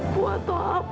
menipu atau apa